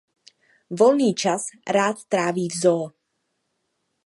Volný čas rád tráví v zoo.